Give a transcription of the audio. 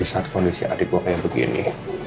yang sangat menemukan ini